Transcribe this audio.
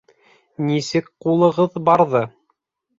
Нисек ҡулығыҙ барҙы!